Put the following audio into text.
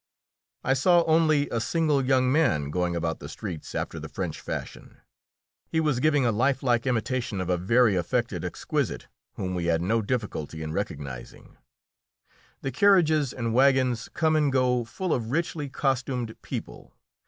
I saw only a single young man going about the streets after the French fashion. He was giving a lifelike imitation of a very affected exquisite whom we had no difficulty in recognising. The carriages and wagons come and go full of richly costumed people.